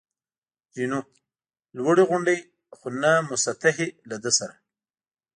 جینو: لوړې غونډۍ، خو نه مسطحې، له ده سره.